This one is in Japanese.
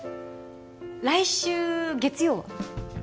来週月曜は？